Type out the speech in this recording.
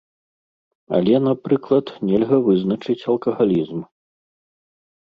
Але, напрыклад, нельга вызначыць алкагалізм.